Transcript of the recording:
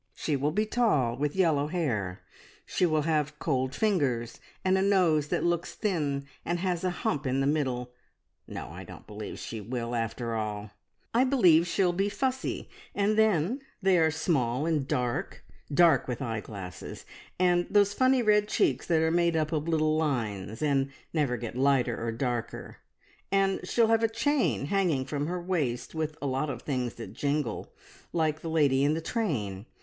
"She will be tall, with yellow hair. She will have cold fingers and a nose that looks thin and has a hump in the middle. No, I don't believe she will, after all. I believe she'll be fussy, and then they are small and dark dark, with eyeglasses, and those funny red cheeks that are made up of little lines, and never get lighter or darker. And she'll have a chain hanging from her waist with a lot of things that jingle, like the lady in the train.